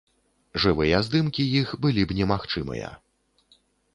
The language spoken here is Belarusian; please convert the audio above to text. Жывыя здымкі іх былі б немагчымыя.